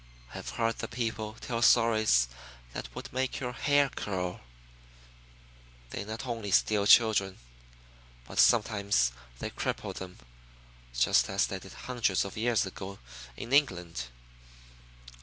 I have heard the people tell stories that would make your hair curl. They not only steal children, but sometimes they cripple them, just as they did hundreds of years ago in England.